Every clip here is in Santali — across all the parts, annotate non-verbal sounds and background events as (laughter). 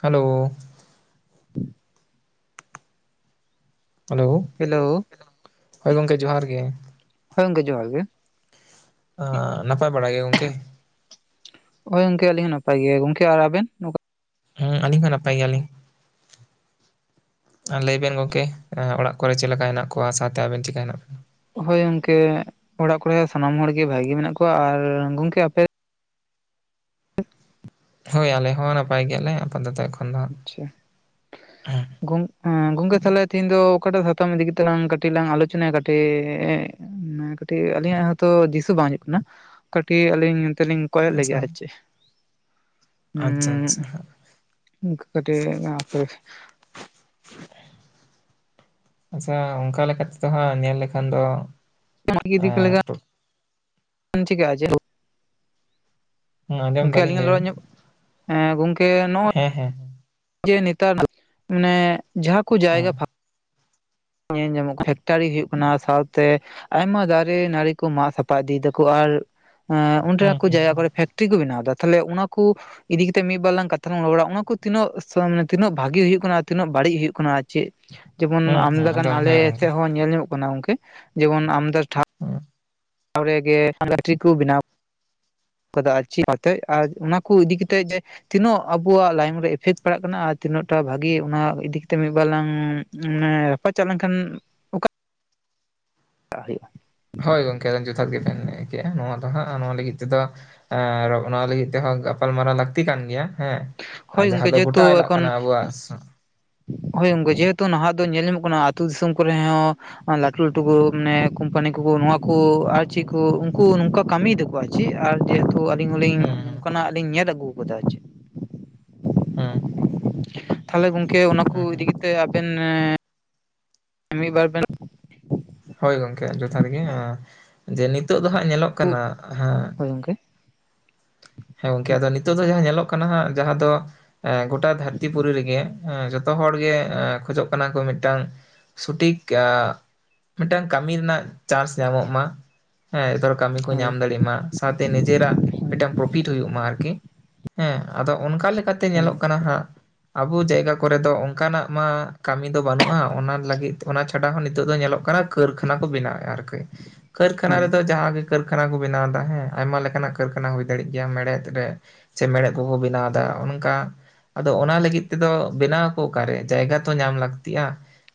ᱦᱮᱞᱳ ᱾ ᱦᱮᱞᱳ ᱦᱮᱞᱳ (unintelligible) ᱦᱚᱭ ᱜᱚᱝᱠᱮ ᱡᱚᱦᱟᱨ ᱜᱮ ᱾ ᱦᱚᱭ ᱜᱚᱝᱠᱮ ᱡᱚᱦᱟᱨ ᱜᱮ ᱾ ᱟᱻ ᱱᱟᱯᱟᱭ ᱵᱟᱲᱟ ᱜᱮ ᱜᱚᱝᱠᱮ ᱾ ᱦᱚᱭ ᱜᱚᱝᱠᱮ ᱟᱹᱞᱤᱧ ᱦᱚᱸ ᱱᱟᱯᱟᱭ ᱜᱮ ᱜᱚᱝᱠᱮ ᱟᱨ ᱟᱵᱮᱱ? ᱦᱮᱸ ᱟᱹᱞᱤᱧ ᱦᱚᱸ ᱱᱟᱯᱟᱭ ᱜᱮᱭᱟ ᱞᱤᱧ ᱾ ᱟᱨ ᱞᱟᱹᱭ ᱵᱮᱱ ᱜᱚᱝᱠᱮ ᱚᱲᱟᱜ ᱠᱚᱨᱮ ᱪᱮᱫ ᱞᱮᱠᱟ ᱦᱮᱱᱟᱜ ᱠᱚᱣᱟ ᱥᱟᱶ ᱛᱮ ᱟᱵᱮᱱ ᱪᱤᱠᱼᱠᱟ ᱦᱮᱱᱟᱜ ᱵᱮᱱᱟ? ᱦᱚᱭ ᱜᱚᱝᱠᱮ ᱚᱲᱟᱜ ᱠᱚᱨᱮ ᱥᱟᱱᱟᱢ ᱦᱚᱲ ᱜᱮ ᱵᱷᱟᱜᱤ ᱢᱮᱱᱟᱜ ᱠᱚᱣᱟ ᱾ ᱟᱨ ᱜᱚᱝᱠᱮ ᱟᱯᱮ? ᱦᱚᱭ ᱟᱞᱮ ᱦᱚᱸ ᱱᱟᱯᱟᱭ ᱜᱮᱭᱟ ᱞᱮ ᱾ ᱟᱯᱟᱛᱚᱛᱚ (unintelligible) ᱟᱪᱪᱷᱟ ᱦᱟᱸᱜ (unintelligible) ᱜᱚᱝᱠᱮ ᱛᱟᱦᱚᱞᱮ ᱛᱮᱤᱦᱤᱧ ᱫᱚ ᱚᱠᱟᱴᱟᱜ ᱥᱟᱛᱟᱢ ᱤᱫᱤ ᱠᱟᱛᱮ ᱞᱟᱝ ᱠᱟᱹᱴᱤᱡ ᱞᱟᱝ ᱟᱞᱚᱪᱚᱱᱟᱭᱟ ᱠᱟᱹᱴᱤᱡ (unintelligible) ᱠᱟᱹᱴᱤᱡ ᱟᱹᱞᱤᱧᱟᱜ ᱦᱚᱸᱛᱚ ᱫᱤᱥᱟᱹ ᱵᱟᱝ ᱦᱩᱭᱩᱜ ᱠᱟᱱᱟ ᱠᱟᱹᱴᱤᱡ ᱟᱹᱞᱤᱧ ᱚᱱᱛᱮ ᱞᱤᱧ ᱠᱚᱭᱚᱜ (unintelligible) ᱟᱪᱪᱷᱟ ᱟᱨ ᱪᱮᱫ, ᱟᱪᱪᱷᱟ ᱟᱪᱪᱷᱟ ᱦᱮᱸ (unintelligible) ᱠᱟᱴᱤ (unintelligible) ᱟᱪᱪᱷᱟ ᱚᱱᱠᱟ ᱞᱮᱠᱟ ᱛᱮᱫᱚ ᱦᱟᱸᱜ ᱧᱮᱞ ᱞᱮᱠᱷᱟᱱ ᱫᱚ ᱮᱸ (unintelligible) (unintelligible) ᱡᱮ ᱡᱟᱭᱦᱚᱠ ᱦᱮᱸ ᱟᱸᱡᱚᱢ ᱜᱚᱢᱠᱮ ᱫᱟᱞᱤᱧ ᱞᱟᱹᱭ ᱵᱮᱱ ᱟᱞᱤᱧᱟᱜ (unintelligible) ᱮᱸ ᱜᱚᱝᱠᱮ ᱱᱚᱜᱼᱚᱭ ᱦᱮᱸ ᱦᱮᱸ ᱡᱮ ᱱᱮᱛᱟᱨ ᱫᱚ (unintelligible) ᱢᱟᱱᱮ ᱡᱟᱦᱟᱸ ᱠᱚ ᱡᱟᱭᱜᱟ ᱦᱮᱸ (unintelligible) ᱧᱮᱞ ᱧᱟᱢᱚᱜ ᱠᱟᱱᱟ ᱯᱷᱮᱠᱴᱟᱨᱤ ᱦᱩᱭᱩᱜ ᱠᱟᱱᱟ ᱥᱟᱶᱛᱮ ᱟᱭᱢᱟ ᱫᱟᱨᱮ ᱱᱟᱹᱲᱤ ᱠᱚ ᱢᱟᱜ ᱥᱟᱯᱷᱟ ᱤᱫᱤᱭᱮᱫᱟᱠᱚ ᱟᱨ ᱮ ᱚᱸᱰᱮ ᱦᱮᱸ ᱠᱚ ᱦᱮᱸ ᱡᱟᱭᱜᱟ ᱠᱚᱨᱮ ᱯᱮᱠᱷ (unintelligible) ᱠᱚ ᱵᱮᱱᱟᱣ ᱮᱫᱟ ᱛᱟᱦᱚᱞᱮ ᱚᱱᱟ ᱠᱩ ᱤᱫᱤ ᱠᱟᱛᱮ ᱢᱤᱫ-ᱵᱟᱨ ᱞᱟᱝ ᱠᱟᱛᱷᱟ ᱞᱟᱝ ᱨᱚᱲᱟ ᱚᱱᱟ ᱠᱚ ᱛᱤᱱᱟᱹᱜ (unintelligible) ᱛᱤᱱᱟᱹᱜ ᱵᱷᱟᱜᱤ ᱦᱩᱭᱩᱜᱜ ᱠᱟᱱᱟ ᱛᱤᱱᱟᱹᱜ ᱵᱟᱹᱲᱤᱡ ᱦᱩᱭᱩᱜᱜ ᱠᱟᱱᱟ ᱟᱨ ᱪᱮᱫ? ᱡᱮᱢᱚᱱ ᱦᱮᱸ ᱦᱮᱸ ᱟᱢᱫᱟ ᱜᱟᱱ ᱮᱠᱫᱚᱢ ᱟᱞᱮ ᱦᱮᱸ ᱜᱚᱢᱠᱮ ᱥᱮᱫ ᱦᱚᱸ ᱧᱮᱞ ᱧᱟᱢᱚᱜ ᱠᱟᱱᱟ ᱜᱚᱝᱠᱮ ᱡᱮᱢᱚᱱ ᱟᱢᱫᱟ ᱴᱷᱟᱶ (unintelligible) ᱴᱷᱟᱣ ᱨᱮ ᱜᱮ (unintelligible) ᱵᱮᱱᱟᱣ (unintelligible) ᱟᱨ ᱚᱱᱟ ᱠᱚ ᱤᱫᱤ ᱠᱟᱛᱮᱫ ᱡᱮ ᱛᱤᱱᱟᱹᱜ ᱟᱵᱚᱣᱟᱜ ᱞᱟᱭᱚᱝ ᱨᱮ ᱮᱷᱮᱠᱴ ᱯᱟᱲᱟᱜ ᱠᱟᱱᱟ ᱟᱨ ᱛᱤᱱᱟᱹᱜ ᱴᱟᱜ ᱵᱷᱟᱹᱜᱤ ᱚᱱᱟ ᱤᱫᱤ ᱠᱟᱛᱮ ᱢᱤᱫ-ᱵᱟᱨ ᱞᱟᱝ ᱢᱟᱱᱮ ᱯᱟᱹᱪ ᱪᱟᱜ ᱞᱮᱱᱠᱷᱟᱱ (inaudible) ᱦᱩᱭᱩᱜᱼᱟ ᱦᱚᱭ ᱜᱚᱢᱠᱮ ᱟᱹᱵᱤᱱ ᱡᱚᱛᱷᱟᱛ ᱜᱮᱵᱤᱱ ᱢᱮᱱ ᱠᱮᱜ-ᱟ ᱱᱚᱣᱟ ᱫᱚ ᱦᱟᱸᱜ ᱱᱚᱣᱟ ᱞᱟᱹᱜᱤᱫ ᱛᱮᱫᱚ ᱟᱨ ᱚᱱᱟ ᱞᱟᱹᱜᱤᱫ ᱛᱮᱦᱚᱸ ᱜᱟᱯᱟᱞ ᱢᱟᱨᱟᱣ ᱞᱟᱹᱠᱛᱤ ᱠᱟᱱ ᱜᱮᱭᱟ ᱦᱮᱸ ᱦᱳᱭ ᱜᱚᱝᱠᱮ ᱡᱟᱦᱟᱸ ᱫᱚ ᱡᱮᱦᱮᱛᱩ ᱜᱚᱴᱟ ᱮᱞᱟᱜ ᱮᱠᱷᱚᱱ ᱠᱟᱱᱟ ᱟᱵᱚᱣᱟᱜ (unintelligible) ᱦᱳᱭ ᱜᱚᱝᱠᱮ ᱡᱮᱦᱮᱛᱩ ᱱᱟᱦᱟᱜ ᱫᱚ ᱧᱮᱞ ᱧᱟᱢᱚᱜ ᱠᱟᱱᱟ ᱟᱹᱛᱩ ᱫᱤᱥᱚᱢ ᱠᱚᱨᱮ ᱦᱚᱸ ᱞᱟᱹᱴᱩ ᱞᱟᱹᱴᱩ ᱠᱚ ᱢᱟᱱᱮ ᱠᱚᱢᱯᱟᱱᱤ ᱠᱚ ᱠᱚ ᱱᱚᱶᱟ ᱠᱩ ᱟᱨ ᱪᱮᱫ ᱠᱚ ᱩᱱᱠᱩ ᱱᱚᱝᱠᱟ ᱠᱟᱹᱢᱤᱭᱮᱫᱟᱱ ᱠᱩ ᱟᱨ ᱪᱮᱫ ᱟᱨ ᱡᱮᱦᱮᱛᱩ ᱟᱹᱞᱤᱧ ᱦᱚᱞᱤᱧ ᱦᱩᱸ ᱱᱚᱝᱠᱟᱱᱟᱜ ᱞᱤᱧ ᱧᱮᱞ ᱟᱹᱜᱩ ᱟᱠᱟᱫᱟ ᱪᱮᱫ ᱦᱮᱸ ᱛᱟᱦᱚᱞᱮ ᱜᱚᱝᱠᱮ ᱚᱱᱟ ᱠᱚ ᱤᱫᱤ ᱠᱟᱛᱮ ᱟᱵᱮᱱ ᱢᱤᱫ ᱵᱟᱨ (unintelligible) ᱦᱳᱭ ᱜᱚᱝᱠᱮ ᱡᱚᱛᱷᱟᱛ ᱜᱮ ᱦᱮᱸ ᱡᱮ ᱱᱤᱛᱚᱜ ᱫᱚ ᱦᱟᱸᱜ ᱧᱮᱞᱚᱜ ᱠᱟᱱᱟ ᱦᱮᱸ ᱦᱳᱭ ᱜᱚᱝᱠᱮ ᱦᱮᱸ ᱜᱚᱝᱠᱮ ᱟᱫᱚ ᱱᱤᱛᱚᱜ ᱫᱚ ᱡᱟᱦᱟᱸ ᱧᱮᱞᱚᱜ ᱠᱟᱱᱟ ᱦᱟᱸᱜ ᱡᱟᱦᱟᱸ ᱫᱚ ᱮ ᱜᱚᱴᱟ ᱫᱷᱟᱹᱨᱛᱤ ᱯᱩᱨᱤ ᱨᱮᱜᱮ ᱡᱚᱛᱚ ᱦᱚᱲ ᱜᱮ ᱠᱷᱚᱡᱚᱜ ᱠᱟᱱᱟ ᱠᱚ ᱢᱤᱫᱴᱟᱝ ᱥᱚᱴᱷᱤᱠ ᱢᱤᱫᱴᱟᱝ ᱠᱟᱹᱢᱤ ᱨᱮᱱᱟᱜ ᱪᱟᱱᱥ ᱧᱟᱢᱚᱜ ᱢᱟ ᱦᱮᱸ ᱮᱛᱚ ᱦᱚᱲ ᱠᱟᱹᱢᱤ ᱠᱚ ᱦᱳᱭ ᱧᱟᱢ ᱫᱟᱲᱮᱭᱟᱜ ᱢᱟ ᱥᱟᱶᱛᱮ ᱱᱤᱡᱮᱨᱟᱜ ᱢᱤᱫᱴᱟᱝ ᱯᱨᱚᱯᱷᱤᱴ ᱦᱩᱭᱩᱜ ᱢᱟ ᱟᱨᱠᱤ ᱦᱮᱸ ᱟᱫᱚ ᱚᱱᱠᱟ ᱞᱮᱠᱟᱛᱮ ᱦᱳᱭ ᱧᱮᱞᱚᱜ ᱠᱟᱱᱟ ᱦᱟᱸᱜ ᱟᱵᱚ ᱡᱟᱭᱜᱟ ᱠᱚᱨᱮ ᱫᱚ ᱚᱱᱠᱟᱱᱟᱜ ᱢᱟ ᱠᱟᱹᱢᱤ ᱫᱚ ᱵᱟᱹᱱᱩᱜᱼᱟ ᱾ ᱚᱱᱟ ᱞᱟᱹᱜᱤᱫ ᱚᱱᱟ ᱪᱷᱟᱰᱟ ᱦᱚᱸ ᱱᱤᱛᱚᱜ ᱫᱚ ᱧᱮᱞᱚᱜ (unintelligible) ᱠᱟᱹᱨᱠᱷᱟᱱᱟ ᱠᱚ ᱵᱮᱱᱟᱣ ᱮᱜ-ᱟ ᱟᱨᱠᱤ ᱠᱟᱹᱨᱠᱷᱟᱱᱟ ᱦᱳᱭ ᱨᱮᱫᱚ ᱡᱟᱦᱟᱸ ᱜᱮ ᱠᱟᱹᱨᱠᱷᱟᱱᱟ ᱠᱚ ᱵᱮᱱᱟᱣ ᱮᱫᱟ ᱦᱮᱸ ᱟᱭᱢᱟ ᱞᱮᱠᱟᱱᱟᱜ ᱠᱟᱹᱨᱠᱷᱟᱱᱟ ᱦᱩᱭ ᱫᱟᱲᱮᱜ ᱜᱮᱭᱟ ᱢᱮᱲᱦᱮᱫ ᱨᱮ ᱥᱮ ᱢᱮᱲᱦᱮᱫ ᱠᱚᱠᱚ ᱵᱮᱱᱟᱣ ᱮᱫᱟ ᱚᱱᱠᱟ ᱟᱫᱚ ᱚᱱᱟ ᱞᱟᱹᱜᱤᱫ ᱛᱮᱫᱚ ᱵᱮᱱᱟᱣ ᱟᱠᱚ ᱚᱠᱟᱨᱮ? ᱡᱟᱭᱜᱟ ᱛᱚ ᱧᱟᱢ ᱞᱟᱹᱠᱛᱤᱜᱼᱟ᱾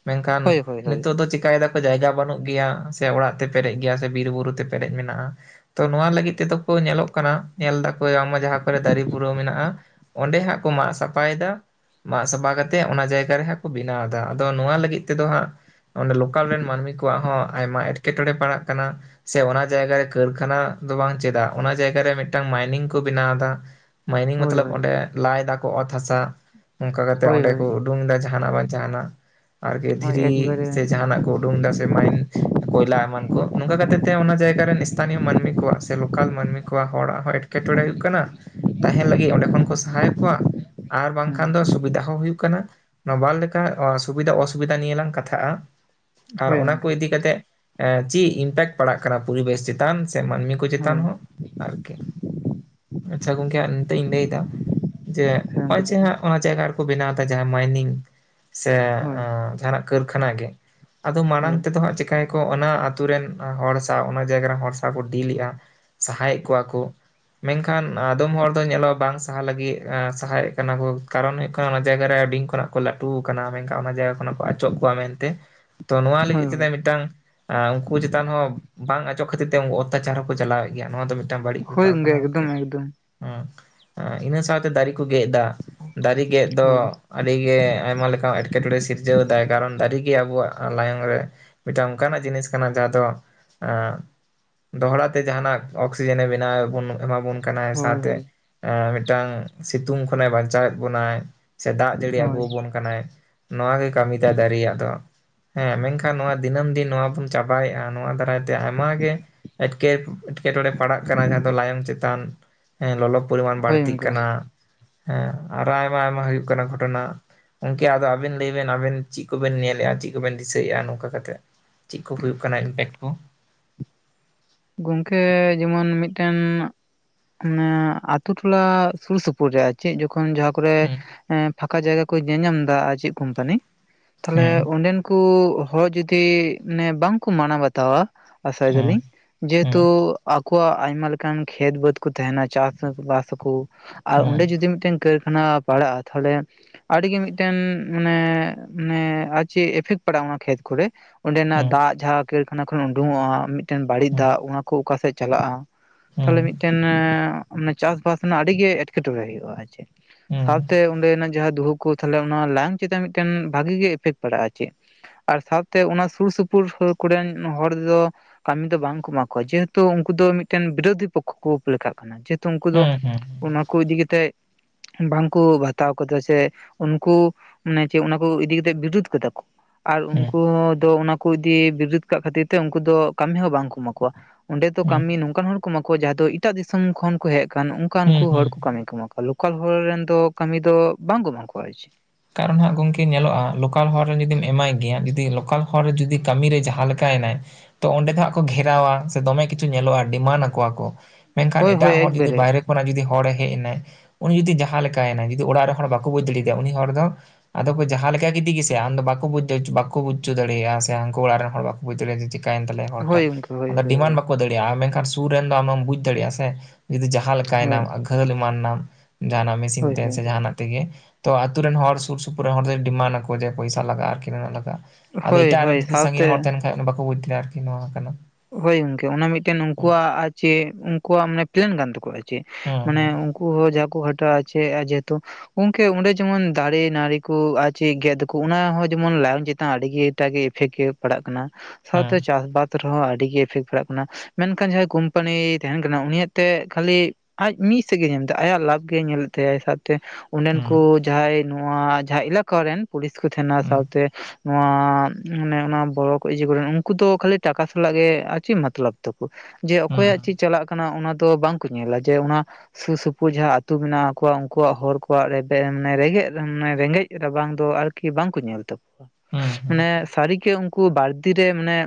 ᱢᱮᱱᱠᱷᱟᱱ ᱦᱳᱭ ᱦᱳᱭ ᱦᱳᱭ ᱦᱳᱭ ᱦᱳᱭ ᱱᱤᱛᱚᱜ ᱫᱚ ᱪᱮᱠᱟᱭ (unintelligible) ᱡᱟᱭᱜᱟ ᱵᱟᱹᱱᱩᱜ ᱜᱮᱭᱟ ᱥᱮ ᱚᱲᱟᱜ ᱛᱮ ᱯᱮᱨᱮᱡ ᱜᱮᱭᱟ ᱥᱮ ᱵᱤᱨ ᱵᱩᱨᱩ ᱛᱮ ᱯᱮᱨᱮᱡ ᱢᱮᱱᱟᱜᱼᱟ᱾ ᱛᱚ ᱱᱚᱣᱟ ᱞᱟᱹᱜᱤᱫ ᱛᱮᱫᱚ ᱠᱚ ᱧᱮᱞᱚᱜ ᱚᱱᱠᱟᱱᱟᱜ ᱧᱮᱞ ᱫᱟᱠᱚ ᱵᱟᱝᱢᱟ ᱡᱟᱦᱟᱸ ᱠᱚᱨᱮ ᱫᱟᱨᱮ ᱵᱩᱨᱟᱹᱣ ᱢᱮᱱᱟᱜᱼᱟ ᱚᱸᱰᱮ ᱦᱟᱸᱜ ᱠᱚ ᱢᱟᱜ ᱥᱟᱯᱷᱟᱭᱮᱫᱟ ᱢᱟᱜ ᱥᱟᱯᱷᱟ ᱠᱟᱛᱮᱫ ᱚᱱᱟ ᱡᱟᱭᱜᱟ ᱨᱮ ᱦᱟᱸᱜ ᱠᱚ ᱵᱮᱱᱟᱣᱫᱟ ᱟᱫᱚ ᱱᱚᱣᱟ ᱫᱚ ᱱᱚᱣᱟ ᱞᱟᱹᱜᱤᱫ ᱛᱮᱫᱚ ᱦᱟᱸᱜ ᱚᱸᱰᱮ ᱞᱳᱠᱟᱞ ᱨᱮᱱ ᱢᱟᱹᱱᱢᱤ ᱠᱚᱣᱟᱜ ᱦᱚᱸ ᱟᱭᱢᱟ ᱮᱸᱴᱠᱮᱴᱚᱬᱮ ᱯᱟᱲᱟᱜ ᱠᱟᱱᱟ᱾ ᱥᱮ ᱚᱱᱟ ᱡᱟᱭᱜᱟᱨ ᱨᱮ ᱠᱟᱹᱨᱠᱷᱟᱱᱟ ᱫᱚ ᱵᱟᱝ ᱪᱮᱫᱟᱜ ᱚᱱᱟ ᱡᱟᱭ ᱨᱮ ᱢᱤᱫᱴᱟᱝ ᱢᱟᱭᱱᱤᱝ ᱠᱚ ᱵᱮᱱᱟᱣ ᱫᱟ ᱢᱟᱭᱱᱤᱝ ᱦᱳᱭ ᱢᱚᱛᱞᱚᱵ ᱚᱸᱰᱮ ᱞᱟᱭ ᱫᱟᱠᱚ ᱚᱛ ᱦᱟᱥᱟ ᱚᱱᱠᱟ ᱠᱟᱛᱮᱜ ᱦᱳᱭ ᱚᱸᱰᱮ ᱠᱚ ᱦᱳᱭ ᱩᱰᱩᱝ ᱮᱫᱟ ᱡᱟᱦᱟᱱᱟᱜ ᱵᱟᱝ ᱡᱟᱦᱟᱱᱟᱜ ᱟᱨᱠᱤ ᱦᱳᱭ ᱫᱷᱤᱨᱤ ᱮᱠᱵᱟᱨᱮ ᱥᱮ ᱡᱟᱦᱟᱱᱟᱜ ᱚᱰᱩᱝ ᱮᱫᱟ ᱥᱮ ᱢᱟᱭᱤᱱ ᱠᱚᱭᱞᱟ ᱮᱢᱟᱱ ᱠᱚ ᱱᱚᱝᱠᱟ ᱠᱟᱛᱮᱜ ᱛᱮ ᱚᱱᱟ ᱡᱟᱭᱜᱟᱨ ᱨᱮᱱ ᱤᱥᱛᱷᱟᱱᱤᱭᱚ ᱢᱟᱹᱱᱢᱤ ᱠᱚᱣᱟᱜ ᱥᱮ ᱞᱳᱠᱟᱞ ᱢᱟᱹᱱᱢᱤ ᱦᱚᱲᱟᱜ ᱦᱚᱸ ᱮᱸᱴᱠᱮᱴᱚᱬᱮ ᱦᱩᱭᱩᱜ ᱠᱟᱱᱟ ᱛᱟᱦᱮᱱ ᱞᱟᱹᱜᱤᱫ ᱚᱸᱰᱮ ᱠᱷᱚᱱ ᱠᱚ ᱥᱟᱦᱟᱭᱮᱫ ᱠᱚᱣᱟ ᱟᱨ ᱵᱟᱝᱠᱷᱟᱱ ᱦᱮᱸ ᱫᱚ ᱥᱩᱵᱤᱫᱷᱟ ᱦᱚᱸ ᱦᱩᱭᱩᱜ ᱠᱟᱱᱟ ᱱᱚᱵᱟᱨ ᱞᱮᱠᱟ ᱥᱩᱵᱤᱫᱷᱟ ᱚᱥᱩᱵᱤᱫᱷᱟ ᱱᱤᱭᱟᱹᱮ ᱞᱟᱝ ᱠᱟᱛᱷᱟᱜᱼᱟ ᱟᱨ ᱦᱳᱭ ᱚᱱᱟ ᱠᱚ ᱜᱚᱝᱠᱮ ᱤᱫᱤ ᱠᱟᱛᱮᱜ ᱪᱮᱫ ᱤᱢᱯᱮᱠᱴ ᱯᱟᱲᱟᱜ ᱠᱟᱱᱟ ᱯᱚᱨᱤᱵᱮᱥ ᱪᱮᱛᱟᱱ ᱥᱮ ᱢᱟᱹᱱᱢᱤ ᱠᱚ ᱪᱮᱛᱟᱱ ᱦᱳᱭ ᱦᱚᱸ ᱟᱨᱠᱤ ᱟᱪᱪᱷᱟ ᱜᱚᱝᱠᱮ ᱱᱤᱛᱚᱜ ᱤᱧ ᱞᱟᱹᱭᱮᱫᱟ ᱡᱮ ᱦᱳᱭ ᱜᱚᱝᱠᱮ ᱱᱚᱜᱼᱚᱭ ᱡᱮ ᱞᱟᱹᱭ ᱵᱤᱱ ᱦᱟᱸᱜ ᱚᱱᱟ ᱡᱟᱭᱜᱟ ᱨᱮᱠᱚ ᱵᱮᱱᱟᱣ ᱮᱫᱟ ᱡᱟᱦᱟᱸ ᱢᱟᱭᱱᱤᱝ ᱥᱮ ᱦᱳᱭ ᱡᱟᱦᱟᱱᱟᱜ ᱠᱟᱹᱨᱠᱷᱟᱱᱟ ᱜᱮ᱾ ᱟᱫᱚ ᱢᱟᱲᱟᱝ ᱦᱳᱭ ᱛᱮᱫᱚ ᱦᱟᱸᱜ ᱪᱮᱠᱟᱭ ᱠᱚ ᱚᱱᱟ ᱟᱹᱛᱩ ᱨᱮᱱ ᱦᱚᱲ ᱥᱟᱶ ᱚᱱᱟ ᱡᱟᱭᱜᱟ ᱨᱮᱱ ᱦᱚᱲ ᱥᱟᱶ ᱠᱚ ᱰᱤᱞ ᱮᱜᱼᱟ ᱥᱟᱦᱟᱭᱮᱫ ᱠᱚᱣᱟ ᱠᱚ ᱢᱮᱱᱠᱷᱟᱱ ᱟᱫᱚᱢ ᱦᱚᱲ ᱫᱚ ᱧᱮᱞᱚᱜᱼᱟ ᱵᱟᱝ ᱥᱟᱦᱟ ᱞᱟᱹᱜᱤᱫ ᱥᱟᱦᱟᱭᱮᱫ ᱠᱟᱱᱟ ᱠᱚ ᱠᱟᱨᱚᱱ ᱦᱩᱭᱩᱜ ᱠᱟᱱᱟ ᱚᱱᱟ ᱡᱟᱭᱜᱟ ᱨᱮ ᱟᱹᱰᱤ ᱠᱷᱚᱱᱟᱜ ᱠᱚ ᱞᱟᱹᱴᱩ ᱠᱟᱱᱟ ᱢᱮᱱᱠᱷᱟᱱ ᱚᱱᱟ ᱡᱟᱭᱜᱟ ᱠᱷᱚᱱᱟᱜ ᱠᱚ ᱚᱪᱚᱜ ᱠᱚᱣᱟ ᱢᱮᱱᱛᱮ ᱛᱚ ᱱᱚᱣᱟ ᱦᱳᱭ ᱞᱟᱹᱜᱤᱫ ᱛᱮᱫᱚ ᱦᱳᱭ ᱢᱤᱫᱴᱟᱝ ᱟ ᱩᱱᱠᱩ ᱪᱮᱛᱟᱱ ᱦᱚᱸ ᱵᱟᱝ ᱚᱪᱚᱜ ᱠᱷᱟᱹᱛᱤᱨ ᱛᱮ ᱩᱱᱠᱩ ᱚᱛᱛᱟᱪᱟᱨ ᱦᱚᱸᱠᱚ ᱪᱟᱞᱟᱣᱮᱫ ᱜᱮᱭᱟ ᱱᱚᱣᱟ ᱫᱚ ᱢᱤᱫᱴᱮᱱ ᱢᱤᱫᱴᱟᱝ ᱵᱟᱹᱲᱤᱡ ᱦᱳᱭ ᱵᱮᱯᱟᱨ ᱠᱟᱱᱟ ᱜᱚᱝᱠᱮ ᱮᱠᱫᱚᱢ ᱮᱠᱫᱚᱢ ᱦᱮᱸ ᱤᱱᱟᱹ ᱥᱟᱶᱛᱮ ᱫᱟᱨᱮ ᱠᱚ ᱜᱮᱜ ᱮᱫᱟ ᱫᱟᱨᱮ ᱜᱮᱫ ᱫᱚ ᱦᱳᱭ ᱟᱹᱰᱤᱜᱮ ᱟᱭᱢᱟ ᱞᱮᱠᱟ ᱮᱴᱠᱮᱴᱚᱬᱮ ᱥᱤᱨᱡᱟᱹᱣ ᱫᱟᱭ ᱠᱟᱨᱚᱱ ᱫᱟᱨᱤᱜᱮ ᱟᱵᱚᱣᱟᱜ ᱞᱟᱭᱚᱝ ᱨᱮ ᱢᱤᱫᱴᱟᱝ ᱚᱱᱠᱟᱱᱟᱜ ᱡᱤᱱᱤᱥ ᱠᱟᱱᱟ ᱡᱟᱦᱟᱸ ᱫᱚ ᱫᱚᱦᱲᱟ ᱛᱮ ᱡᱟᱦᱱᱟᱜ (unintelligible) ᱥᱤᱡᱮᱱᱮ ᱵᱮᱱᱟᱣ ᱵᱚᱱ ᱮᱢᱟ ᱵᱚᱱ ᱠᱟᱱᱟᱭ ᱦᱳᱭ ᱥᱟᱶᱛᱮ ᱦᱳᱭ ᱮ ᱢᱤᱫᱴᱟᱝ ᱥᱤᱛᱩᱝ ᱠᱷᱚᱱᱮ ᱵᱟᱧᱪᱟᱣᱮᱫ ᱵᱚᱱᱟᱭ ᱥᱮ ᱫᱟᱜ ᱡᱟᱹᱲᱤ ᱟᱹᱜᱩ ᱦᱳᱭ ᱟᱵᱚᱱ ᱠᱟᱱᱟᱭ ᱱᱚᱣᱟ ᱜᱮ ᱠᱟᱹᱢᱤ ᱛᱟᱭ ᱫᱟᱨᱮᱭᱟᱜ ᱫᱚ ᱦᱮᱸ ᱢᱮᱱᱠᱷᱟᱱ ᱱᱚᱣᱟ ᱫᱤᱱᱟᱹᱢ ᱫᱤᱱ ᱱᱚᱣᱟ ᱵᱚᱱ ᱪᱟᱵᱟᱭᱮᱫᱼᱟ ᱱᱚᱣᱟ ᱫᱟᱨᱟᱭ ᱛᱮ ᱟᱭᱢᱟ ᱜᱮ ᱮᱴᱠᱮ ᱮᱴᱠᱮᱴᱚᱬᱮ ᱯᱟᱲᱟᱜ ᱠᱟᱱᱟ ᱡᱟᱦᱟᱸ ᱫᱚ ᱞᱟᱭᱚᱝ ᱪᱮᱛᱟᱱ ᱞᱚᱞᱚ ᱯᱚᱨᱤᱢᱟᱱ ᱦᱳᱭ ᱵᱟᱹᱲᱛᱤᱜ ᱜᱚᱝᱠᱮ ᱠᱟᱱᱟ ᱦᱮᱸ ᱟᱨᱚ ᱟᱭᱢᱟ ᱟᱭᱢᱟ ᱦᱩᱭᱩᱜ ᱠᱟᱱᱟ ᱜᱷᱚᱴᱚᱱᱟ᱾ ᱜᱚᱝᱠᱮ ᱟᱫᱚ ᱟᱵᱮᱱ ᱞᱟᱹᱭ ᱵᱮᱱ ᱟᱵᱮᱱ ᱪᱮᱫ ᱠᱚᱵᱮᱱ ᱧᱮᱞᱮᱜᱼᱟ ᱪᱮᱫ ᱠᱚᱵᱮᱱ ᱫᱤᱥᱟᱹᱭᱮᱜᱼᱟ ᱱᱚᱝᱠᱟ ᱠᱟᱛᱮᱫ? ᱪᱮᱫ ᱠᱚ ᱦᱩᱭᱩᱜ ᱠᱟᱱᱟ ᱤᱢᱯᱮᱠᱴ ᱠᱚ? ᱜᱚᱝᱠᱮ ᱡᱮᱢᱚᱱ ᱢᱤᱫᱴᱮᱱ ᱢᱟᱱᱮ ᱟᱛᱩ ᱴᱚᱞᱟ ᱥᱩᱨ ᱥᱩᱯᱩᱨ ᱨᱮ᱾ ᱪᱮᱫ ᱡᱚᱠᱷᱚᱱ ᱡᱟᱦᱟᱸ ᱠᱚᱨᱮ ᱦᱮᱸ ᱯᱷᱟᱸᱠᱟ ᱡᱟᱭᱜᱟ ᱠᱚ ᱧᱮᱧ ᱧᱟᱢᱫᱟ ᱟᱨ ᱪᱮᱫ ᱠᱚᱢᱯᱟᱱᱤ᱾ ᱛᱟᱦᱞᱮ ᱦᱮᱸ ᱚᱸᱰᱮᱱ ᱠᱚ ᱦᱚᱲ ᱡᱚᱫᱤ ᱮ ᱵᱟᱝᱠᱚ ᱢᱟᱱᱟᱣ ᱵᱟᱛᱟᱣᱟ᱾ ᱟᱥᱟᱭ ᱦᱮᱸ ᱫᱟᱞᱤᱧ᱾ ᱡᱮᱦᱮᱛᱩ ᱟᱠᱚᱣᱟᱜ ᱟᱭᱢᱟ ᱞᱮᱠᱟᱱ ᱠᱷᱮᱛ ᱵᱟᱹᱫᱽ ᱠᱚ ᱛᱟᱦᱮᱱᱟ ᱪᱟᱥ ᱵᱟᱥ ᱟᱠᱚ, ᱟᱨ ᱚᱸᱰᱮ ᱡᱩᱫᱤ ᱢᱤᱫᱴᱮᱱ ᱠᱟᱹᱨᱠᱷᱟᱱᱟ ᱯᱟᱲᱟᱜᱼᱟ ᱛᱟᱦᱚᱞᱮ ᱟᱹᱰᱤᱜᱮ ᱢᱤᱫᱴᱮᱱ ᱢᱟᱱᱮ ᱢᱟᱱᱮ ᱟᱨ ᱪᱮᱫ ᱮᱯᱷᱮᱠᱴ ᱯᱟᱲᱟᱜᱼᱟ ᱚᱱᱟ ᱠᱷᱮᱛ ᱠᱚᱨᱮ? ᱚᱸᱰᱮᱱᱟᱜ ᱫᱟᱜ ᱡᱟᱦᱟᱸ ᱠᱟᱹᱨᱠᱷᱟᱱᱟ ᱠᱷᱚᱱ ᱩᱰᱩᱝᱚᱜᱼᱟ ᱢᱤᱫᱴᱮᱱ ᱵᱟᱹᱲᱤᱡ ᱫᱟᱜ ᱚᱱᱟ ᱠᱚ ᱚᱠᱟᱥᱮᱫ ᱪᱟᱞᱟᱜᱼᱟ? ᱛᱟᱦᱞᱮ ᱢᱤᱫᱴᱮᱱ ᱪᱟᱥᱼᱵᱟᱥ ᱨᱮᱱᱟᱜ ᱟᱹᱰᱤ ᱜᱮ ᱮᱴᱠᱮᱴᱚᱬᱮ ᱦᱩᱭᱩᱜᱼᱟ ᱟᱨ ᱪᱮᱫ᱾ ᱥᱟᱶᱛᱮ ᱚᱸᱰᱮᱱᱟᱜ ᱡᱟᱦᱟᱸ ᱫᱩᱦᱩᱠ ᱠᱩ ᱛᱟᱦᱞᱮ ᱚᱱᱟ ᱞᱟᱝ ᱪᱮᱛᱟᱱ ᱢᱤᱫᱴᱮᱱ ᱵᱷᱟᱜᱤ ᱜᱮ ᱤᱯᱷᱮᱠᱴ ᱯᱟᱲᱟᱜᱼᱟ ᱪᱮᱫ᱾ ᱟᱨ ᱥᱟᱶᱛᱮ ᱚᱱᱟ ᱥᱩᱨ ᱥᱩᱯᱩᱨ ᱥᱩᱨ ᱠᱚᱨᱮᱱ ᱦᱚᱲ ᱫᱚ ᱠᱟᱹᱢᱤ ᱫᱚ ᱵᱟᱝ ᱠᱚ ᱮᱢᱟ ᱠᱚᱣᱟ ᱡᱮᱦᱮᱛᱩ ᱩᱱᱠᱩ ᱫᱚ ᱢᱤᱫᱴᱮᱱ ᱵᱤᱨᱳᱫᱷᱤ ᱯᱚᱠᱠᱷᱚ ᱠᱚ ᱞᱮᱠᱷᱟᱜ ᱠᱟᱱᱟ, ᱡᱮᱦᱮᱛᱩ ᱩᱱᱠᱩ ᱫᱚ ᱚᱱᱟ ᱠᱚ ᱤᱫᱤ ᱠᱟᱛᱮᱜ ᱵᱟᱝᱠᱩ ᱵᱟᱛᱟᱣ ᱠᱟᱫᱟ, ᱥᱮ ᱩᱱᱠᱩ ᱢᱟᱱᱮ ᱪᱮᱫ ᱚᱱᱟᱠᱚ ᱤᱫᱤ ᱠᱟᱛᱮᱫ ᱵᱤᱨᱩᱫ ᱠᱟᱫᱟ ᱠᱚ᱾ ᱟᱨ ᱩᱱᱠᱩ ᱫᱚ ᱚᱱᱟ ᱠᱚ ᱤᱫᱤ ᱵᱤᱨᱩᱫ ᱠᱟᱜ ᱠᱷᱟᱹᱛᱤᱨ ᱛᱮ ᱩᱱᱠᱩ ᱫᱚ ᱠᱟᱹᱢᱤ ᱦᱚᱸ ᱵᱟᱝᱠᱚ ᱮᱢᱟ ᱠᱚᱣᱟ᱾ ᱚᱸᱰᱮ ᱫᱚ ᱠᱟᱹᱢᱤ ᱱᱚᱝᱠᱟᱱ ᱦᱚᱲ ᱠᱚ ᱮᱢᱟ ᱠᱚᱣᱟ ᱡᱟᱦᱟᱸᱭ ᱫᱚ ᱮᱴᱟᱜ ᱫᱤᱥᱚᱢ ᱠᱷᱚᱱ ᱠᱚ ᱦᱮᱡ ᱠᱟᱱ ᱚᱱᱠᱟᱱᱠᱩ ᱦᱚᱲ ᱠᱚ ᱠᱟᱹᱢᱤ ᱠᱚ ᱮᱢᱟ ᱠᱚᱣᱟ᱾ ᱞᱳᱠᱟᱞ ᱦᱚᱨ ᱨᱮᱱ ᱫᱚ ᱠᱟᱹᱢᱤ ᱫᱚ ᱵᱟᱝ ᱠᱚ ᱮᱢᱟᱠᱚᱣᱟ ᱟ ᱪᱮ᱾ ᱠᱟᱨᱚᱱ ᱦᱟᱸᱜ ᱜᱚᱢᱠᱮ ᱧᱮᱞᱚᱜᱼᱟ ᱞᱳᱠᱟᱞ ᱦᱚᱨ ᱨᱮᱱ ᱡᱩᱫᱤᱢ ᱮᱢᱟᱭ ᱜᱮᱭᱟ ᱡᱩᱫᱤ ᱞᱳᱠᱟᱞ ᱦᱚᱲ ᱡᱩᱫᱤ ᱠᱟᱹᱢᱤᱨᱮ ᱡᱟᱦᱟᱸ ᱞᱮᱠᱟᱭᱱᱟᱭ ᱛᱚ ᱚᱸᱰᱮ ᱫᱚ ᱦᱟᱸᱜ ᱠᱚ ᱜᱷᱮᱨᱟᱣᱟ ᱥᱮ ᱫᱚᱢᱮ ᱠᱤᱪᱷᱩ ᱧᱮᱞᱚᱜᱼᱟ ᱰᱤᱢᱟᱱᱰ ᱟᱠᱚᱣᱟ ᱠᱚ, ᱢᱮᱱᱠᱷᱟᱱ ᱦᱳᱭ ᱦᱳᱭ ᱮᱴᱟᱜ ᱦᱚᱲ ᱡᱩᱫᱤ ᱮᱠᱵᱟᱨᱮ ᱵᱟᱭᱨᱮ ᱠᱷᱚᱱᱟᱜ ᱡᱩᱫᱤ ᱦᱚᱲᱮ ᱦᱮᱡ ᱮᱱᱟᱭ ᱩᱱᱤ ᱡᱩᱫᱤ ᱡᱟᱦᱟᱸ ᱞᱮᱠᱟᱭᱱᱟᱭ ᱡᱩᱫᱤ ᱚᱲᱟᱜ ᱨᱮᱱ ᱦᱚᱲ ᱵᱟᱠᱚ ᱵᱩᱡᱽ ᱫᱟᱲᱮᱭᱟᱫᱮᱭᱟ ᱩᱱᱤ ᱦᱚᱲ ᱫᱚ ᱟᱫᱚ ᱠᱚ ᱡᱟᱦᱟᱸ ᱞᱮᱠᱟ ᱜᱮᱫᱤᱜᱮᱥᱮ ᱟᱢᱫᱚ ᱵᱟᱠᱚ ᱵᱩᱫ ᱵᱟᱠᱚ ᱵᱩᱡᱪᱚ ᱫᱟᱲᱮᱭᱟᱜᱼᱟ ᱥᱮ ᱦᱟᱱᱠᱩ ᱚᱲᱟᱜ ᱨᱮᱱ ᱦᱚᱲ ᱵᱟᱠᱚ ᱵᱩᱡᱽ ᱫᱟᱲᱮᱭᱟᱜᱼᱟ ᱡᱮ ᱪᱮᱫᱠᱟ ᱚᱠᱟᱭ ᱮᱱ ᱛᱟᱞᱮᱭᱟ ᱦᱚᱲ ᱦᱳᱭ ᱴᱟᱜ, ᱜᱚᱢᱠᱮ ᱦᱳᱭ ᱟᱫᱚ ᱦᱳᱭ ᱰᱤᱢᱟᱱᱰ ᱦᱳᱭ ᱵᱟᱠᱚ ᱫᱟᱹᱲ ᱢᱮᱱᱠᱷᱟᱱ ᱥᱩᱨ ᱨᱮᱱ ᱫᱚ ᱟᱢᱮᱢ ᱵᱩᱡᱽ ᱫᱟᱲᱮᱭᱟᱜ-ᱟ ᱥᱮ ᱡᱩᱫᱤ ᱡᱟᱦᱟᱸ ᱞᱮᱠᱟᱭ ᱦᱳᱭ ᱱᱟᱢ ᱜᱷᱟᱹᱞ ᱮᱢᱟᱱ ᱱᱟᱢ ᱡᱟᱸᱦᱱᱟᱜ ᱢᱮᱥᱤᱱ ᱦᱳᱭ ᱛᱮ ᱦᱳᱭ ᱥᱮ ᱡᱟᱸᱦᱟᱱᱟᱜ ᱛᱮᱜᱮ ᱛᱚ ᱟᱛᱩ ᱨᱮᱱ ᱦᱚᱲ ᱥᱩᱨ ᱥᱩᱯᱩᱨ ᱨᱮᱱ ᱦᱚᱲ ᱫᱚᱭ ᱰᱤᱢᱟᱱ ᱟᱠᱚ ᱡᱮ ᱯᱚᱭᱥᱟ ᱞᱟᱜ-ᱟ ᱟᱨᱠᱤ ᱱᱩᱱᱟᱹᱜ ᱞᱟᱜᱟᱜ-ᱟ᱾ ᱟᱫᱚ ᱦᱳᱭ ᱮᱴᱟᱜ ᱦᱳᱭ ᱟᱨᱮᱱ ᱥᱟᱜᱤᱧ ᱨᱮ ᱦᱚᱲ ᱥᱟᱶᱛᱮ ᱛᱟᱦᱮᱱ ᱠᱷᱟᱱ ᱵᱟᱠᱚ ᱵᱩᱡ ᱫᱟᱲᱮᱭᱟᱜ-ᱟ ᱟᱨᱠᱤ ᱱᱚᱣᱟ ᱠᱟᱱᱟ᱾ ᱦᱳᱭ ᱜᱚᱝᱠᱮ ᱚᱱᱟ ᱢᱤᱫᱴᱮᱱ ᱦᱩᱸ ᱩᱱᱠᱩᱣᱟᱜ ᱟᱨ ᱪᱮᱫ ᱩᱱᱠᱩᱣᱟᱜ ᱢᱟᱱᱮ ᱯᱞᱮᱱ ᱠᱟᱱ ᱛᱟᱠᱚᱣᱟ ᱟᱨ ᱪᱮᱫ, ᱢᱟᱱᱮᱼᱼ ᱦᱩᱸ ᱠᱩ ᱡᱟᱸᱠᱩ ᱜᱷᱴᱟᱣ ᱦᱚᱪᱚᱭᱮᱫᱼᱟ ᱡᱮᱦᱮᱛᱩ ᱜᱚᱝᱠᱮ ᱚᱸᱰᱮ ᱡᱮᱢᱚᱱ ᱫᱟᱨᱮ ᱱᱟᱹᱲᱤ ᱠᱚ ᱟᱨ ᱪᱮᱫ ᱜᱮᱫ ᱠᱚ ᱚᱱᱟᱦᱚᱸ ᱡᱮᱢᱚᱱ ᱞᱟᱭᱚᱝ ᱪᱮᱛᱟᱱ ᱟᱹᱰᱤ ᱜᱮ ᱮᱴᱟᱜ ᱜᱮ ᱤᱯᱷᱮᱠᱴ ᱜᱮ ᱯᱟᱲᱟᱜ ᱠᱟᱱᱟ ᱥᱟᱶᱛᱮ ᱪᱟᱥ ᱵᱟᱫ ᱨᱮᱦᱚᱸ ᱟᱹᱰᱤ ᱜᱮ ᱤᱯᱷᱮᱠᱴ ᱯᱟᱲᱟᱜ ᱠᱟᱱᱟ। ᱢᱮᱱᱠᱷᱟᱱ ᱡᱟᱦᱟᱸᱭ ᱠᱳᱢᱯᱟᱱᱤ ᱛᱟᱦᱮᱱ ᱠᱟᱱᱟ ᱩᱱᱤᱭᱟᱜ ᱛᱮ ᱠᱷᱟᱹᱞᱤ ᱟᱡ ᱢᱤᱫ ᱥᱮᱫ ᱜᱮᱭ ᱧᱮᱞ ᱫᱟ, ᱟᱭᱟᱜ ᱞᱟᱵᱷ ᱜᱮ ᱧᱮᱞᱮᱫ ᱛᱟᱭᱟ ᱥᱟᱶᱛᱮ ᱚᱸᱰᱮᱱ ᱠᱚ ᱦᱩᱸ ᱡᱟᱦᱟᱸᱭ ᱱᱚᱣᱟ ᱡᱟᱦᱟᱸ ᱮᱞᱟᱠᱟ ᱨᱮᱱ ᱯᱩᱞᱤᱥ ᱠᱚ ᱛᱟᱦᱮᱱᱟ ᱦᱩᱸ ᱥᱟᱶᱛᱮ ᱱᱚᱣᱟ ᱢᱟᱱᱮ ᱚᱱᱟ ᱵᱚᱲᱚ ᱤᱭᱟᱹ ᱠᱚᱨᱮ ᱱᱟᱜ ᱩᱱᱠᱩ ᱫᱚ ᱠᱷᱟᱹᱞᱤᱼᱼ ᱴᱟᱠᱟ ᱥᱟᱞᱟᱜ ᱜᱮ ᱟᱨ ᱪᱮᱫ ᱢᱚᱛᱞᱚᱵ ᱛᱟᱠᱚ ᱡᱮ ᱦᱩᱸ ᱚᱠᱚᱭᱟᱜ ᱪᱮᱫ ᱪᱟᱞᱟᱜ ᱠᱟᱱᱟ ᱚᱱᱟ ᱫᱚ ᱵᱟᱝ ᱠᱚ ᱧᱮᱞᱟ ᱡᱮ ᱚᱱᱟᱼᱼ ᱥᱩᱨ ᱥᱩᱯᱩᱨ ᱡᱟᱦᱟᱸ ᱟᱹᱛᱩ ᱢᱮᱱᱟᱜ ᱠᱚᱣᱟ ᱩᱱᱠᱩᱣᱟᱜ ᱦᱚᱲ ᱠᱚᱣᱟᱜ ᱨᱮᱵᱮᱱ ᱨᱮᱸᱜᱮᱡ ᱨᱮᱸᱜᱮᱡ ᱨᱟᱵᱟᱝ ᱫᱚ ᱟᱨ ᱠᱤ ᱵᱟᱝᱠᱚ ᱧᱮᱞ ᱛᱟᱠᱚᱣᱟ, ᱦᱩᱸ ᱦᱩᱸ ᱢᱟᱱᱮ ᱥᱟᱹᱨᱤ ᱜᱮ ᱩᱱᱠᱩ ᱵᱟᱲᱫᱤᱨᱮ ᱢᱟᱱᱮ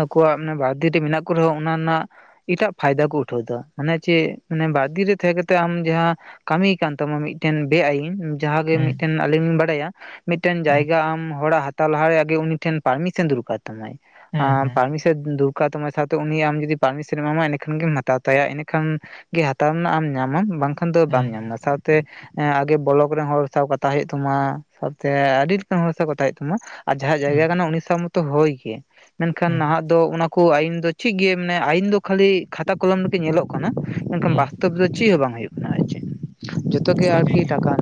ᱟᱠᱚᱣᱟᱜ ᱵᱟᱨ ᱫᱤᱴᱤ ᱨᱮ ᱢᱮᱱᱟᱜ ᱠᱚ ᱨᱮᱦᱚᱸ ᱚᱱᱟ ᱨᱮᱱᱟᱜ ᱮᱴᱟᱜ ᱯᱷᱟᱭᱫᱟ ᱠᱩ ᱩᱴᱷᱟᱹᱣ ᱫᱟ ᱢᱟᱱᱮ ᱪᱮᱫ ᱵᱟᱨ ᱫᱤᱱ ᱨᱮ ᱛᱟᱦᱮᱸ ᱠᱟᱛᱮ ᱟᱢ ᱡᱟᱦᱟᱸ ᱠᱟᱹᱢᱤ ᱠᱟᱱ ᱛᱟᱢᱟ ᱢᱤᱫᱴᱮᱱ ᱵᱮ ᱟᱭᱤᱱ ᱡᱟᱦᱟᱸ ᱜᱮ ᱦᱩᱸ ᱢᱤᱫᱴᱮᱱ ᱟᱞᱤᱧ ᱞᱤᱧ ᱵᱟᱲᱟᱭᱟ ᱢᱤᱫᱴᱮᱱ ᱦᱩᱸ ᱡᱟᱭᱜᱟ ᱟᱢ ᱦᱚᱲᱟᱜ ᱦᱟᱛᱟᱣ ᱞᱟᱦᱟᱨᱮ ᱟᱜᱮ ᱩᱱᱤᱴᱷᱮᱱ ᱯᱟᱨᱢᱤᱥᱮᱱ ᱫᱚᱨᱠᱟᱨ ᱛᱟᱢᱟᱭ ᱦᱩᱸ ᱦᱩᱸ ᱦᱩᱸ ᱟᱨ ᱯᱟᱨᱢᱚᱱ ᱫᱚᱨᱠᱟᱟᱨ ᱛᱟᱢᱟ ᱥᱟᱶᱛᱮ ᱩᱱᱤ ᱟᱢ ᱡᱩᱫᱤ ᱯᱟᱨᱢᱤᱥᱮᱱ ᱮᱢᱟᱢᱟ ᱮᱸᱰᱮᱠᱷᱟᱱ ᱜᱮᱢ ᱦᱟᱛᱟᱣ ᱛᱟᱭᱟ ᱤᱱᱟᱹ ᱠᱷᱟᱱ ᱜᱮ ᱦᱟᱛᱟᱣ ᱨᱮᱱᱟᱜ ᱟᱢ ᱧᱟᱢᱟᱢ ᱵᱟᱝ ᱠᱷᱟᱱ ᱫᱚ ᱦᱩᱸ ᱵᱟᱢ ᱧᱟᱢᱟ ᱥᱟᱶᱛᱮ ᱦᱮᱸ ᱟᱜᱮ ᱵᱽᱞᱳᱠ ᱨᱮᱱ ᱦᱚᱲ ᱥᱟᱶ ᱠᱟᱛᱷᱟ ᱦᱩᱭᱩᱜ ᱛᱟᱢᱟ ᱥᱟᱶᱛᱮ ᱟᱹᱰᱤ ᱞᱮᱠᱟᱱ ᱦᱚᱲ ᱥᱟᱶ ᱠᱟᱛᱷᱟ ᱦᱩᱭᱩᱜ ᱛᱟᱢᱟ᱾ ᱟᱨ ᱡᱟᱦᱟᱸᱭᱟᱜ ᱦᱩᱸ ᱡᱟᱭᱜᱟ ᱠᱟᱱᱟ ᱩᱱᱤ ᱥᱟᱶ ᱢᱚᱛᱚ ᱦᱳᱭ ᱜᱮ ᱢᱮᱱᱠᱷᱟᱱ ᱦᱩᱸ ᱱᱟᱦᱟᱜ ᱫᱚ ᱚᱱᱟ ᱠᱚ ᱟᱹᱭᱤᱱ ᱫᱚ ᱪᱮᱫ ᱜᱮ ᱢᱟᱱᱮ ᱟᱹᱭᱤᱱ ᱫᱚ ᱠᱷᱟᱹᱞᱤ ᱠᱷᱟᱛᱟ ᱠᱚᱞᱚᱢ ᱨᱮᱜᱮ ᱧᱮᱞᱚᱜ ᱠᱟᱱᱟ ᱢᱮᱱᱠᱷᱟᱱ ᱦᱩᱸ ᱵᱟᱥᱛᱚᱵᱽ ᱫᱚ ᱪᱮᱫ ᱦᱚᱸ ᱵᱟᱝ ᱦᱩᱭᱩᱜ ᱠᱟᱱᱟ ᱟᱨ ᱪᱮᱫ ᱡᱚᱛᱚ ᱜᱮ ᱟᱨᱠᱤ ᱥᱟᱹᱨᱤᱜᱮ ᱴᱟᱠᱟ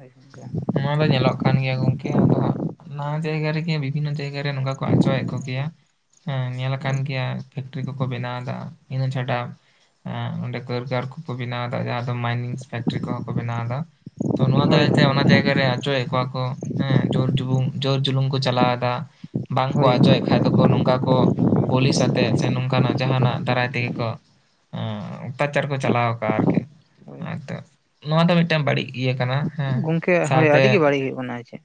ᱨᱮᱱᱟᱜ ᱱᱚᱣᱟ ᱫᱚ ᱧᱮᱞᱚᱜ ᱠᱟᱱ ᱜᱮᱭᱟ ᱜᱚᱝᱠᱮ ᱟᱫᱚ ᱦᱟᱸᱜ ᱱᱟᱣᱥ ᱡᱟᱭᱜᱟ ᱨᱮᱜᱮ ᱤᱱᱟᱹ ᱡᱟᱭᱜᱟ ᱨᱮ ᱱᱚᱝᱠᱟ ᱠᱚ ᱟᱪᱟᱣᱮᱫ ᱠᱚᱜᱮᱭᱟ ᱦᱮᱸ ᱧᱮᱞ ᱟᱠᱟᱱ ᱦᱳᱭ ᱜᱮᱭᱟ ᱯᱷᱮᱠᱴᱨᱤ ᱠᱚᱠᱚ ᱵᱮᱱᱟᱣᱮᱫᱟ᱾ ᱤᱱᱟᱹ ᱪᱷᱟᱰᱟ ᱚᱸᱰᱮ ᱠᱟᱹᱨᱜᱟᱨ ᱠᱚᱠᱚ ᱵᱮᱱᱟᱣ ᱮᱫᱟ ᱡᱟᱦᱟᱸ ᱢᱟᱭᱱᱤᱥᱴ ᱯᱷᱮᱠᱴᱨᱤ ᱠᱚᱦᱚᱸ ᱠᱚ ᱵᱮᱱᱟᱣ ᱮᱫᱟ ᱛᱚ ᱱᱚᱣᱟ ᱦᱳᱭ ᱫᱟᱨᱟᱭᱛᱮ ᱚᱱᱟ ᱡᱟᱭᱜᱟ ᱨᱮ ᱟᱪᱚᱭᱮᱫ ᱠᱚᱣᱟ ᱠᱚ ᱦᱮᱸ ᱡᱩᱨ ᱡᱩᱞᱩᱢ ᱡᱩᱨ ᱡᱩᱞᱩᱢ ᱠᱚ ᱪᱟᱞᱟᱣ ᱮᱫᱟ ᱵᱟᱝ ᱠᱚ ᱦᱳᱭ ᱟᱪᱟᱣᱮᱫ ᱠᱷᱟᱡ ᱫᱚ ᱱᱚᱝᱠᱟ ᱠᱚ ᱯᱩᱞᱤᱥ ᱟᱛᱮᱜ ᱥᱮ ᱱᱚᱝᱠᱟᱱᱟᱜ ᱡᱟᱦᱟᱱᱟᱜ ᱫᱟᱨᱟᱭ ᱛᱮᱜᱮ ᱠᱚ ᱩᱢᱢ ᱟᱛᱛᱟᱪᱟᱨ ᱠᱚ ᱪᱟᱞᱟᱣ ᱟᱠᱟᱜᱼᱟ ᱟᱨᱠᱤ᱾ ᱦᱳᱭ ᱦᱚᱭ ᱛᱚ ᱱᱚᱣᱟ ᱫᱚ ᱢᱤᱫᱴᱟᱝ ᱵᱟᱹᱲᱤᱡ ᱤᱭᱟᱹ ᱠᱟᱱᱟ ᱦᱮᱸ ᱜᱚᱝᱠᱮ ᱦᱳᱭ ᱟᱹᱰᱤ ᱜᱮ ᱵᱟᱹᱲᱤᱡ ᱦᱩᱭᱩᱜ ᱠᱟᱱᱟ ᱪᱮᱫ?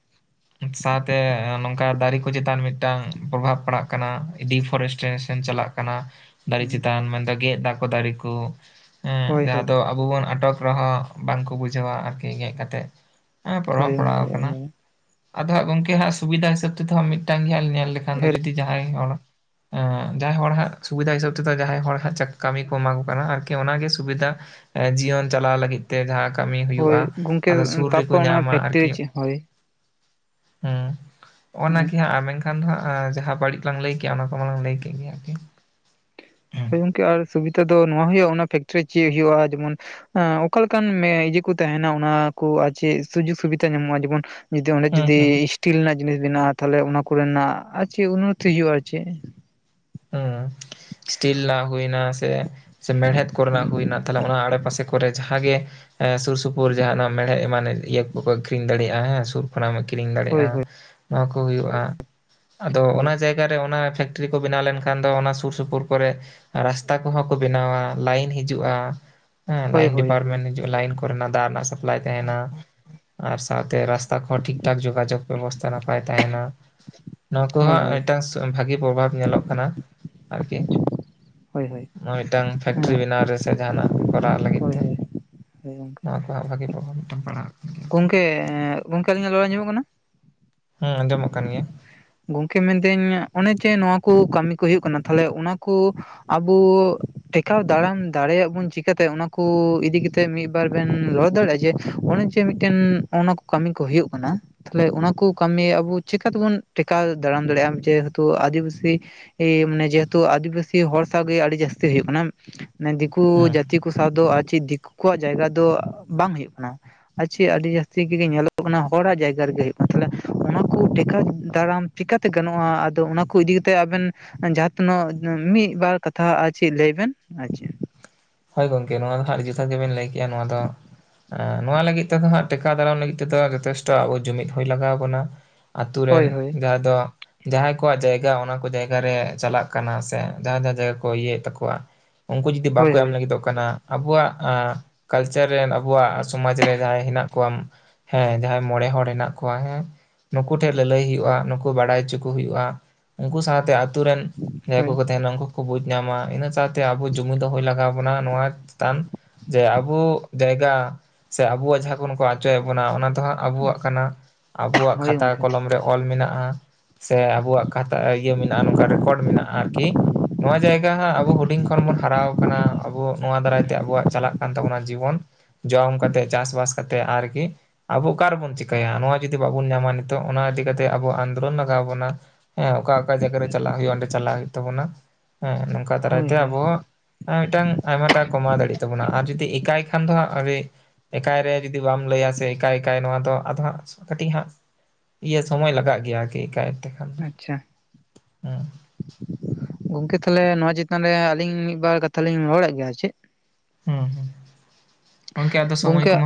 ᱢᱤᱫ ᱥᱟᱶᱛᱮ ᱱᱚᱝᱠᱟ ᱫᱟᱨᱮ ᱠᱚ ᱪᱮᱛᱟᱱ ᱢᱤᱫᱴᱟᱝ ᱯᱨᱚᱵᱷᱟᱵᱽ ᱯᱟᱲᱟᱜ ᱠᱟᱱᱟ᱾ (inaudible) ᱯᱷᱚᱨᱮᱥᱴ ᱨᱮ ᱥᱮᱱ ᱪᱟᱞᱟᱜ ᱠᱟᱱᱟ᱾ ᱫᱟᱨᱮ ᱪᱮᱛᱟᱱ ᱢᱮᱱᱫᱚ ᱜᱮᱫ ᱫᱟᱠᱚ ᱫᱟᱨᱮ ᱠᱚ ᱦᱮᱸ ᱦᱳᱭ ᱡᱟᱦᱟᱸ ᱦᱳᱭ ᱫᱚ ᱟᱵᱚ ᱵᱚᱱ ᱟᱴᱚᱠ ᱨᱮᱦᱚᱸ ᱵᱟᱝᱠᱚ ᱵᱩᱡᱷᱟᱹᱣᱟ ᱟᱨᱠᱤ ᱜᱮᱫ ᱠᱟᱛᱮᱫ ᱦᱮᱸ ᱯᱨᱚᱵᱷᱟᱣ ᱦᱳᱭ ᱯᱟᱲᱟᱣ ᱜᱚᱝᱠᱮ ᱟᱠᱟᱱᱟ ᱟᱫᱚ ᱦᱟᱸᱜ ᱜᱚᱝᱠᱮ ᱦᱟᱸᱜ ᱥᱩᱵᱤᱫᱟ ᱦᱤᱥᱟᱹᱵᱽ ᱛᱮᱫᱚ ᱦᱟᱸᱜ ᱢᱤᱫᱴᱟᱝ ᱜᱮ ᱦᱟᱸᱜ ᱞᱤ ᱧᱮᱞ ᱞᱮᱠᱷᱟᱱ ᱫᱚ ᱡᱩᱫᱤ ᱡᱟᱦᱟᱸᱭ ᱦᱚᱲ ᱮ ᱡᱟᱦᱟᱸᱭ ᱦᱚᱲ ᱦᱟᱸᱜ ᱥᱩᱵᱤᱫᱷᱟ ᱦᱤᱥᱟᱹᱵ ᱛᱮᱫᱚ ᱡᱟᱦᱟᱸᱭ ᱦᱚᱲ ᱦᱟᱸᱜ ᱠᱟᱹᱢᱤ ᱠᱚ ᱮᱢᱟ ᱠᱚ ᱠᱟᱱᱟ ᱟᱨᱠᱤ ᱚᱱᱟᱜᱮ ᱥᱩᱵᱤᱫᱷᱟ᱾ ᱮᱸ ᱡᱤᱭᱚᱱ ᱪᱟᱞᱟᱣ ᱞᱟᱹᱜᱤᱫ ᱛᱮ ᱡᱟᱦᱟᱸ ᱠᱟᱹᱢᱤ ᱦᱳᱭ ᱦᱩᱭᱩᱜᱼᱟ ᱜᱚᱝᱠᱮ ᱟᱫᱚ ᱥᱩᱨ ᱨᱮᱠᱚ ᱛᱟᱯᱚᱨ ᱚᱱᱟ ᱧᱟᱢᱟ ᱯᱷᱮᱠᱴᱨᱤ ᱟᱨᱠᱤ ᱦᱳᱭ ᱦᱩᱸ ᱦᱳᱭ ᱚᱱᱟᱜᱤ ᱦᱟᱸᱜ ᱢᱮᱱ ᱮᱠᱷᱟᱱ ᱫᱚ ᱦᱟᱸᱜ ᱡᱟᱦᱟᱸ ᱵᱟᱹᱲᱤᱡ ᱞᱟᱝ ᱞᱟᱹᱭ ᱠᱮᱜᱼᱟ ᱚᱱᱟ ᱠᱚ ᱢᱟᱞᱟᱝ ᱞᱟᱹᱭ ᱠᱮᱫ ᱜᱮᱭᱟ ᱟᱨᱠᱤ ᱜᱚᱢᱠᱮ ᱟᱨ ᱥᱩᱵᱤᱫᱷᱟ ᱫᱚ ᱱᱚᱣᱟ ᱦᱳᱭᱳᱜᱼᱟ ᱚᱱᱟ ᱯᱷᱮᱠᱴᱨᱤ ᱨᱮ ᱪᱮᱫ ᱦᱳᱭᱳᱜᱼᱟ ᱡᱮᱢᱚᱱ ᱦᱮᱸ ᱚᱠᱟᱞᱮᱠᱟᱱ ᱤᱭᱟᱹ ᱠᱚ ᱛᱟᱦᱮᱱᱟ ᱚᱱᱟ ᱠᱚ ᱟᱨ ᱪᱮᱫ ᱥᱩᱡᱳᱜᱽ ᱥᱩᱵᱤᱫᱷᱟ ᱧᱟᱢᱚᱜᱼᱟ ᱡᱮᱢᱚᱱ ᱡᱩᱫᱤ ᱚᱸᱰᱮ ᱦᱩᱸ ᱡᱩᱫᱤ ᱦᱩᱸ ᱤᱥᱴᱤᱞ ᱨᱮᱱᱟᱜ ᱡᱤᱱᱤᱥ ᱵᱮᱱᱟᱜᱼᱟ ᱛᱟᱦᱚᱞᱮ ᱚᱱᱟ ᱠᱚᱨᱮᱱᱟᱜ ᱟᱨ ᱪᱮᱫ ᱩᱱᱱᱚᱛᱤ ᱦᱩᱭᱩᱜᱼᱟ ᱟᱨ ᱪᱮᱫ? ᱦᱩᱸ ᱥᱴᱤᱞ ᱱᱟᱜ ᱦᱩᱭᱱᱟ ᱥᱮ ᱢᱮᱲᱦᱮᱫ ᱠᱚᱨᱮᱱᱟᱜ ᱦᱩᱭᱱᱟ ᱛᱟᱦᱚᱞᱮ ᱚᱱᱟ ᱟᱲᱮᱯᱟᱥᱮ ᱠᱚᱨᱮ ᱡᱟᱦᱟᱸᱜᱮ ᱦᱮᱸ ᱥᱩᱨ ᱥᱩᱯᱩᱨ ᱡᱟᱦᱟᱸᱱᱟᱜ ᱢᱮᱲᱦ ᱮᱢᱟᱱ ᱤᱭᱟᱹ ᱠᱚᱠᱚ ᱟᱹᱠᱷᱨᱤᱧ ᱫᱟᱲᱮᱭᱟᱜᱼᱟ ᱦᱮᱸ ᱥᱩᱨ ᱮᱢ ᱠᱤᱨᱤᱧ ᱦᱳᱭ ᱫᱟᱲᱮᱭᱟᱜᱼᱟ ᱦᱳᱭ ᱱᱚᱣᱟ ᱠᱚ ᱦᱩᱭᱩᱜᱼᱟ, ᱟᱫᱚ ᱚᱱᱟ ᱦᱳᱭ ᱡᱟᱭ ᱠᱟᱛᱮ ᱚᱱᱟ ᱯᱷᱮᱠᱴᱨᱤ ᱠᱚ ᱵᱮᱱᱟᱣ ᱞᱮᱱ ᱠᱷᱟᱱ ᱫᱚ ᱚᱱᱟ ᱥᱩᱨ ᱥᱩᱯᱩᱨ ᱠᱚᱨᱮ ᱨᱟᱥᱛᱟ ᱠᱚᱦᱚᱸ ᱠᱚ ᱵᱮᱱᱟᱣᱼᱟ ᱞᱟᱭᱤᱱ ᱦᱤᱡᱩᱜᱼᱟ᱾ ᱦᱮᱸ ᱦᱳᱭ ᱞᱟᱭᱤᱱ ᱦᱳᱭ ᱦᱳᱭ ᱰᱤᱯᱟᱨᱴᱢᱮᱱᱴ ᱞᱟᱭᱤᱱ ᱠᱚᱨᱮ ᱫᱟᱨ ᱨᱮᱱᱟᱜ ᱥᱟᱯᱞᱟᱭ ᱛᱟᱦᱮᱸᱱᱟ᱾ ᱟᱨ ᱥᱟᱶᱛᱮ ᱨᱟᱥᱛᱟ ᱠᱚᱚᱸ ᱴᱷᱤᱠ ᱴᱷᱟᱠ ᱡᱳᱜᱟᱡᱳᱜᱽ ᱵᱮᱵᱚᱥᱛᱷᱟ ᱱᱟᱯᱟᱭ ᱛᱟᱦᱮᱱᱟ᱾ ᱱᱚᱣᱟ ᱦᱳᱭ ᱠᱚᱦᱚᱸ ᱦᱳᱭ ᱢᱤᱫᱴᱟᱝ ᱵᱷᱟᱜᱤ ᱯᱨᱚᱵᱷᱟᱵᱽ ᱧᱮᱞᱚᱜ ᱠᱟᱱᱟ ᱟᱨᱠᱤ᱾ ᱦᱳᱭ ᱦᱳᱭ᱾ ᱱᱚ ᱢᱤᱫᱴᱟᱝ ᱯᱷᱮᱠᱴᱨᱤ ᱵᱮᱱᱟᱣ ᱨᱮᱥ ᱡᱟᱦᱟᱱᱟᱜ ᱠᱚᱨᱟᱣ ᱞᱟᱹᱜᱤᱫ ᱛᱮ᱾ ᱦᱮᱭ ᱜᱚᱝᱠᱮ᱾ ᱱᱚᱣᱟ ᱠᱚᱣᱟᱜ ᱵᱷᱟᱜᱤ ᱯᱨᱚᱵᱷᱟᱵᱽ ᱢᱤᱫᱴᱟᱝ ᱯᱟᱲᱦᱟᱜ ᱠᱟᱱ ᱜᱮᱭᱟ᱾ ᱟᱨᱠᱤ ᱜᱚᱝᱠᱮ ᱜᱚᱝᱠᱮ ᱟᱹᱞᱤᱧᱟᱜ ᱞᱚᱲᱟᱧᱟᱢᱚᱜ ᱠᱟᱱᱟ? ᱦᱩᱸ ᱟᱸᱡᱚᱢᱚᱜ ᱠᱟᱱ ᱜᱮᱭᱟ᱾ ᱜᱚᱝᱠᱮ ᱢᱮᱱᱫᱟᱹᱧ ᱚᱱᱮ ᱡᱮ ᱱᱚᱶᱟ ᱠᱚ ᱠᱟᱹᱢᱤ ᱠᱚ ᱦᱩᱭᱩᱜ ᱠᱟᱱᱟ ᱛᱟᱦᱞᱮ ᱚᱱᱟᱠᱩ ᱟᱵᱚᱻ ᱴᱮᱠᱟᱣ ᱫᱟᱨᱟᱢ ᱫᱟᱲᱮᱭᱟᱜ ᱵᱚᱱ ᱪᱤᱠᱠᱟᱛᱮ? ᱚᱱᱟ ᱠᱚ ᱤᱫᱤ ᱠᱟᱛᱮᱮᱫ ᱢᱤᱫᱵᱟᱨ ᱵᱮᱱ ᱞᱚᱲ ᱫᱟᱲᱮᱭᱟᱜᱼᱟ ᱡᱮ ᱚᱱᱮ ᱢᱤᱼᱢᱤᱫᱴᱮᱱ ᱚᱱᱟ ᱠᱚ ᱠᱟᱹᱢᱤ ᱠᱚ ᱦᱩᱭᱩᱜᱳᱜ ᱠᱟᱱᱟ ᱛᱟᱦᱚᱞᱮ ᱚᱱᱟᱠᱚ ᱠᱟᱹᱢᱤ ᱟᱵᱚ ᱪᱮᱠᱟᱛᱮᱵᱩᱱ ᱴᱮᱠᱟᱣ ᱫᱟᱨᱟᱢ ᱫᱟᱲᱮᱭᱟᱜ ᱟᱢ ᱡᱮᱦᱮᱛᱩ ᱟᱹᱫᱤᱵᱟᱹᱥᱤ ᱮ ᱢᱟᱱᱮ ᱡᱮᱦᱮᱛᱩ ᱟᱫᱤᱵᱟᱥᱤ ᱦᱚᱲ ᱥᱟᱶᱜᱮ ᱟᱹᱰᱤ ᱡᱟᱹᱥᱛᱤ ᱦᱩᱭᱩᱜ ᱠᱟᱱᱟ ᱢᱟᱱᱮ ᱫᱤᱠᱩ ᱦᱮᱸ ᱡᱟᱛ ᱫᱤᱠᱩ ᱥᱟᱶ ᱫᱚ ᱟᱨ ᱪᱮᱫ ᱫᱤᱠᱩ ᱠᱚᱣᱟᱜ ᱡᱟᱭᱜᱟ ᱫᱚ ᱵᱟᱝ ᱦᱳᱜ ᱠᱟᱱᱟ᱾ ᱟᱨ ᱪᱮᱫ ᱟᱹᱰᱤ ᱡᱟᱹᱥᱛᱤᱜᱮ ᱧᱮᱞᱚᱜ ᱠᱟᱱᱟ, ᱦᱚᱲᱟᱜ ᱡᱟᱭᱜᱟ ᱨᱮᱜᱮ ᱦᱩᱭᱩᱜ ᱠᱟᱱᱟ, ᱛᱟᱦᱚᱞᱮ ᱚᱱᱟ ᱠᱚ ᱴᱮᱠᱟᱣ ᱛᱟᱲᱟᱢ ᱪᱮᱠᱟᱛᱮ ᱜᱟᱱᱚᱜᱼᱟ ᱟᱫᱚ ᱚᱱᱟ ᱠᱚ ᱤᱫᱤ ᱠᱟᱛᱮ ᱟᱵᱮᱱ ᱡᱟᱦᱟᱸ ᱛᱤᱱᱟᱹᱜ ᱢᱤᱫᱵᱟᱨ ᱠᱟᱛᱷᱟ ᱟᱨ ᱪᱮᱫ ᱞᱟᱹᱭ ᱵᱮᱱ ᱟᱪᱪᱟ ᱦᱳᱭ ᱜᱚᱢᱠᱮ ᱱᱚᱣᱟ ᱫᱚ ᱦᱟᱸ ᱡᱩᱛᱷᱟᱛ ᱜᱮᱵᱮᱱ ᱞᱟᱹᱭ ᱠᱮᱜᱼᱟ ᱱᱚᱣᱟ ᱫᱚ ᱱᱚᱣᱟ ᱞᱟᱹᱜᱤᱫ ᱛᱮᱫᱚ ᱦᱟᱸᱜ ᱴᱮᱠᱟ ᱫᱟᱨᱟᱢ ᱞᱟᱹᱜᱤᱫ ᱛᱮᱫᱚ ᱡᱚᱛᱷᱮᱥᱴᱚ ᱟᱵᱚ ᱡᱩᱢᱤᱫ ᱦᱚᱭ ᱞᱟᱜᱟᱣ ᱟᱵᱚᱱᱟ ᱟᱛᱩᱨ ᱨᱮᱱ ᱦᱳᱭ ᱦᱳᱭ ᱡᱟᱦᱟᱸ ᱫᱚ ᱡᱟᱦᱟᱸᱭ ᱠᱚᱣᱟᱜ ᱡᱟᱭᱜᱟ ᱚᱱᱟ ᱠᱚ ᱡᱟᱭᱜᱟ ᱨᱮ ᱪᱟᱞᱟᱜ ᱠᱟᱱᱟ ᱥᱮ ᱡᱟᱦᱟᱸ ᱡᱟᱦᱟᱸ ᱡᱟᱭᱜᱟ ᱠᱚ ᱤᱭᱟᱹᱭᱮᱫ ᱛᱟᱠᱚᱣᱟ ᱩᱱᱠᱩ ᱡᱩᱚᱫᱤ ᱦᱳᱭ ᱵᱟᱠᱚ ᱦᱳᱭ ᱮᱢ ᱞᱟᱹᱜᱤᱫᱚᱜ ᱠᱟᱱᱟ ᱟᱵᱚᱣᱟᱜ ᱠᱟᱞᱪᱟᱨ ᱨᱮᱱ ᱟᱵᱚᱣᱟᱜ ᱥᱚᱢᱟᱡᱽ ᱨᱮ ᱡᱟᱦᱟᱸᱭ ᱦᱮᱱᱟᱜ ᱠᱚᱣᱟ ᱦᱮᱸ ᱡᱟᱦᱟᱸᱭ ᱢᱚᱬᱮ ᱦᱚᱲ ᱦᱮᱱᱟᱜ ᱠᱚᱣᱟ ᱦᱮᱸ ᱱᱩᱠᱩ ᱴᱷᱮᱡ ᱞᱟᱹ ᱞᱟᱹᱭ ᱦᱩᱭᱩᱜᱼᱟ ᱱᱩᱠᱩ ᱵᱟᱲᱟᱭ ᱦᱚᱪᱩ ᱠᱚ ᱦᱩᱭᱩᱜᱼᱟ ᱩᱱᱠᱩ ᱥᱟᱶᱛᱮ ᱟᱛᱩᱨ ᱨᱮᱱ ᱡᱟᱦᱟᱸᱭ ᱦᱳᱭ ᱠᱚ ᱛᱟᱦᱮᱱᱟ ᱩᱱᱠᱩ ᱵᱩᱡ ᱧᱟᱢᱟ ᱤᱱᱟᱹ ᱥᱟᱶᱛᱮ ᱟᱵᱚ ᱡᱩᱢᱤᱫ ᱫᱚ ᱦᱩᱭ ᱞ ᱵᱱᱟ ᱱᱚᱣᱟ ᱛᱮᱛᱟᱱ ᱡᱮ ᱟᱵᱚ ᱡᱟᱭᱜᱟ ᱥᱮ ᱟᱵᱚᱣᱟᱜ ᱡᱟᱦᱟᱸ ᱠᱷᱚᱱ ᱠᱚ ᱚᱪᱚᱭᱮᱫ ᱵᱚᱱᱟ ᱚᱱᱟ ᱫᱚ ᱦᱟᱸᱜ ᱟᱵᱚᱣᱟᱜ ᱠᱟᱱᱟ ᱟᱵᱚᱣᱟᱜ ᱦᱳᱭ ᱠᱷᱟᱛᱟ ᱜᱚᱝᱠᱮ ᱠᱚᱞᱚᱢ ᱨᱮ ᱚᱞ ᱢᱮᱱᱟᱜᱼᱟ ᱥᱮ ᱟᱵᱚᱣᱟᱜ ᱠᱟᱛᱷᱟ ᱤᱭᱟᱹ ᱢᱮᱱᱟᱜᱼᱟ ᱱᱚᱝᱠᱟ ᱨᱮᱠᱚᱨᱰ ᱢᱮᱱᱟᱜᱼᱟ ᱟᱨᱠᱤ ᱱᱚᱣᱟ ᱡᱟᱭᱜᱟ ᱦᱟᱸᱜ ᱟᱵᱚ ᱦᱩᱰᱤᱧ ᱠᱷᱚᱱ ᱵᱩᱱ ᱦᱟᱨᱟ (unintelligible) ᱱᱚᱣᱟ ᱫᱟᱨᱟᱭ ᱛᱮ ᱟᱵᱚᱣᱟᱜ ᱪᱟᱞᱟᱜ ᱠᱟᱱ ᱛᱟᱵᱚᱱᱟ ᱡᱤᱵᱚᱱ ᱡᱚᱢ ᱠᱟᱛᱮ ᱪᱟᱥᱵᱟᱥ ᱠᱟᱛᱮ ᱟᱨᱠᱤ ᱟᱵᱚ ᱚᱠᱟ ᱨᱮᱵᱚᱱ ᱪᱤᱠᱟᱹᱭᱟ ᱱᱚᱣᱟ ᱡᱩᱫᱤ ᱵᱟᱵᱚᱱ ᱧᱟᱢᱟ ᱱᱤᱛᱚᱜ ᱚᱱᱟ ᱤᱫᱤ ᱠᱟᱛᱮ ᱟᱵᱚ ᱟᱱᱫᱳᱞᱚᱱ ᱞᱟᱜᱟᱣ ᱵᱚᱱᱟ ᱦᱮᱸ ᱚᱠᱟ ᱚᱠᱟ ᱡᱟᱭᱜᱟ ᱨᱮ ᱪᱟᱞᱟᱜ ᱦᱩᱭᱩᱜᱼᱟ ᱚᱸᱰᱮ ᱪᱟᱞᱟᱜ ᱦᱩᱭᱩᱜ ᱛᱟᱵᱳᱱᱟ ᱦᱮᱸ ᱱᱚᱝᱠᱟ ᱦᱳᱭ ᱫᱟᱨᱟᱭᱛᱮ ᱦᱳᱭ ᱟᱵᱚᱣᱟᱜ ᱢᱤᱫᱴᱟᱝ ᱟᱭᱢᱟᱴᱟᱜ ᱠᱚᱢᱟᱣ ᱫᱟᱲᱮᱭᱟᱜ ᱛᱟᱵᱚᱱᱟ ᱟᱨ ᱡᱩᱫᱤ ᱮᱠᱟᱭ ᱠᱷᱟᱱ ᱫᱚ ᱦᱟᱸᱜ ᱟᱹᱰᱤ ᱮᱠᱟᱭ ᱨᱮ ᱡᱩᱫᱤ ᱵᱟᱢ ᱞᱟᱹᱭᱟ ᱥᱮ ᱮᱠᱠᱟᱭ ᱮᱠᱟᱭ ᱱᱚᱣᱟ ᱫᱚ ᱟᱫᱚ ᱦᱟᱸᱜ ᱠᱟᱹᱴᱤᱡ ᱦᱟᱸᱜ ᱤᱭᱟᱹ ᱥᱚᱢᱳᱚᱭ ᱞᱟᱜᱟᱜ ᱜᱮᱭᱟ ᱟᱨᱠᱤ ᱮ ᱠᱟᱭᱛᱮ ᱟᱪᱪᱷᱟ ᱜᱚᱝᱠᱮ ᱛᱟᱦᱦᱮ ᱱᱚᱣᱟ ᱪᱮᱛᱟᱱ ᱨᱮ ᱟᱹᱞᱤᱧ ᱢᱤᱫᱵᱟᱨ ᱠᱟᱛᱷᱟ ᱞᱤᱧ ᱨᱚᱲᱮᱫ ᱜᱮᱭᱟ ᱪᱮᱫ ᱦᱮᱸ ᱜᱱᱠᱮ ᱟᱫᱚ ᱥᱚᱢᱚᱭ ᱜᱚᱝᱠᱮ ᱠᱚᱢᱟ